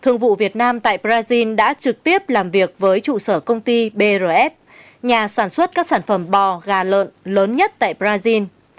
thương vụ việt nam tại brazil đã trực tiếp làm việc với trụ sở công ty brf nhà sản xuất các sản phẩm bò gà lợn lớn nhất tại brazil